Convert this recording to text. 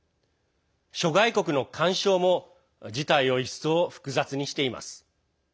諸外国の干渉も事態を一層複雑にしています。